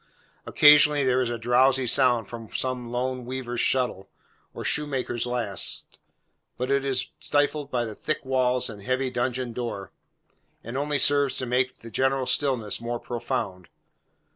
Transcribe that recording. Occasionally, there is a drowsy sound from some lone weaver's shuttle, or shoemaker's last, but it is stifled by the thick walls and heavy dungeon door, and only serves to make the general stillness more profound.